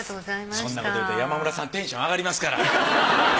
そんなこと言うたら山村さんテンション上がりますから。